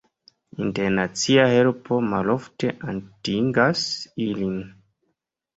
Internacia helpo malofte atingas ilin.